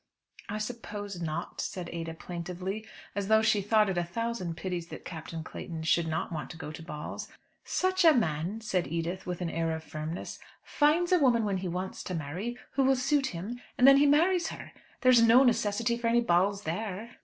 "I suppose not," said Ada plaintively, as though she thought it a thousand pities that Captain Clayton should not want to go to balls. "Such a man," said Edith with an air of firmness, "finds a woman when he wants to marry, who will suit him, and then he marries her. There is no necessity for any balls there."